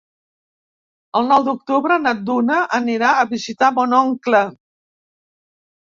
El nou d'octubre na Duna anirà a visitar mon oncle.